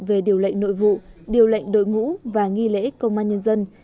về điều lệnh nội vụ điều lệnh đội ngũ và nghi lễ công an nhân dân